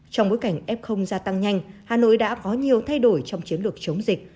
trong bối cảnh f gia tăng nhanh hà nội đã có nhiều thay đổi trong chiến lược chống dịch